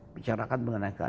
bicarakan mengenai keadaan